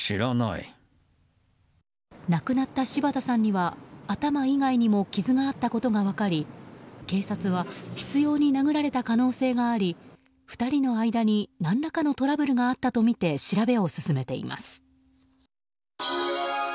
亡くなった柴田さんには頭以外にも傷があったことが分かり、警察は執拗に殴られた可能性があり２人の間に何らかのトラブルがあったとみて調べを進めています。